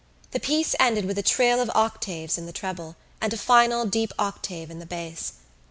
The piece ended with a trill of octaves in the treble and a final deep octave in the bass.